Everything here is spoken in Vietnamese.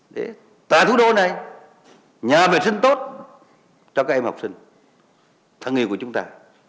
để tại thủ đô này nhà vệ sinh tốt cho các em học sinh thân yêu của chúng ta